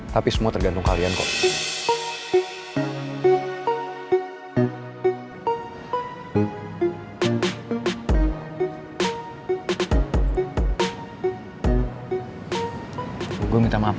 tapi semua tergantung kalian kok